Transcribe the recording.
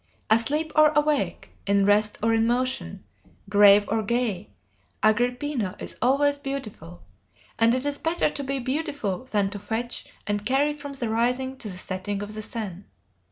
Asleep or awake, in rest or in motion, grave or gay, Agrippina is always beautiful; and it is better to be beautiful than to fetch and carry from the rising to the setting of the sun.